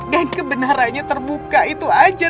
dan kebenarannya terbuka itu aja